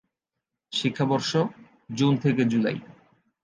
শিক্ষাবর্ষ: জুন থেকে জুলাই।